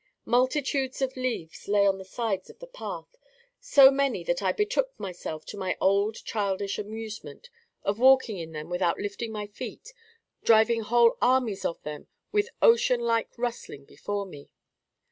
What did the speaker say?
Multitudes of leaves lay on the sides of the path, so many that I betook myself to my old childish amusement of walking in them without lifting my feet, driving whole armies of them with ocean like rustling before me.